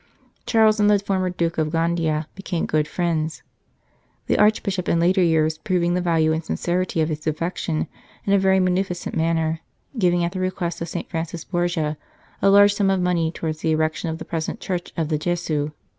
Charles and the former Duke of Gandia became good friends, the Archbishop in later years proving the value and sincerity of his affection in a very munificent manner, giving at the request of St. Francis Borgia a large sum of money towards the erection of the present Church of the Gesu.